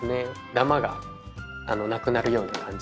だまがなくなるような感じで。